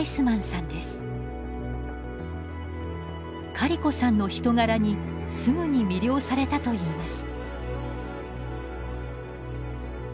カリコさんの人柄にすぐに魅了されたといいます。